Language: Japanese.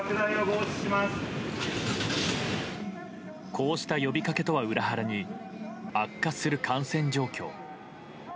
こうした呼びかけとは裏腹に悪化する感染状況。